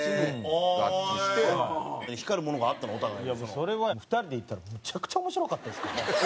いやもうそれは２人でいたらむちゃくちゃ面白かったですからね。